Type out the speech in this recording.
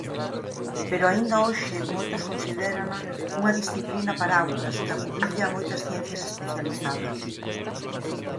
Pero aínda hoxe moitos considérana unha disciplina "paraugas" que acubilla a moitas ciencias especializadas.